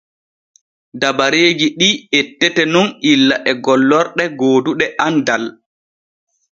Dabareeji ɗi ettete nun illa e gollorɗe gooduɗe andal.